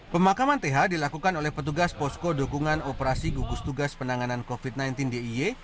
pemakaman th dilakukan oleh petugas posko dukungan operasi gugus tugas penanganan covid sembilan belas d i e